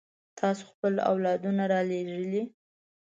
تاسو خپل اولادونه رالېږئ.